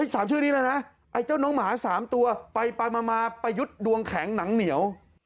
๓ชื่อนี้เลยนะไอ้เจ้าน้องหมา๓ตัวไปมาประยุทธ์ดวงแข็งหนังเหนียว